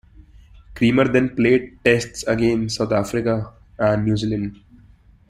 Cremer then played Tests against South Africa and New Zealand.